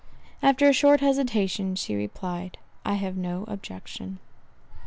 After a short hesitation, she replied, "I have no objection."